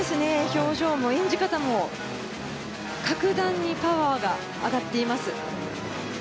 表情も演じ方も格段にパワーが上がっています。